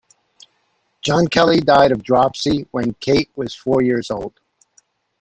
John Kelly died of dropsy when Kate was four years old.